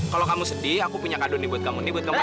kalau kamu sedih aku punya kado nih buat kamu